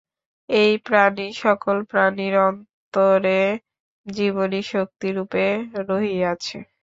এই প্রাণই সকল প্রাণীর অন্তরে জীবনীশক্তিরূপে রহিয়াছে।